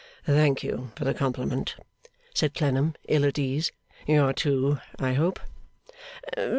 'Thank you for the compliment,' said Clennam, ill at ease; 'you are too, I hope?